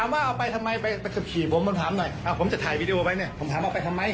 ขัดขวางตรงไหนขัดขวางตรงไหนครับ